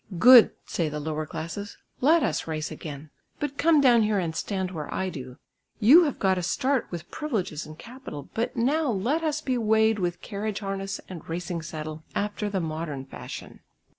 "Good!" say the lower classes, "let us race again, but come down here and stand where I do. You have got a start with privileges and capital, but now let us be weighed with carriage harness and racing saddle after the modern fashion.